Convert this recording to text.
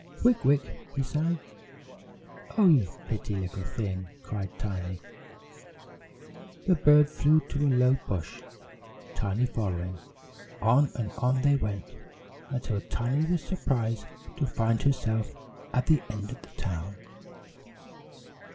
"Wick wick!" he sang. "Oh, you pretty little thing," cried Tiny. The bird flew to a low bush, Tiny following. On and on they went, until Tiny was surprised to find herself at the end of the town.